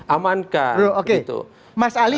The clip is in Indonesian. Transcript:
amankan oke mas ali